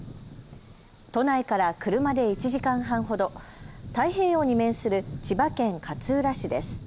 都内から車で１時間半ほど、太平洋に面する千葉県勝浦市です。